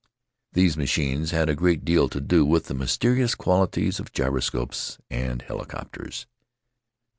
These machines had a great deal to do with the mysterious qualities of gyroscopes and helicopters.